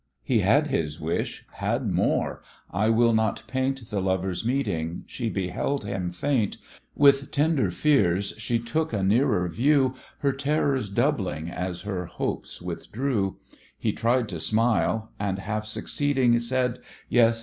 He had his wish, had more: I will not paint The Lovers' meeting: she beheld him faint, With tender fears, she took a nearer view, Her terrors doubling as her hopes withdrew; He tried to smile, and, half succeeding, said, "Yes!